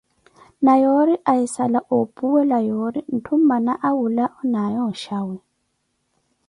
Na yoori ahisala opuwela yoori ntthu mmana awula onaaye oxawi.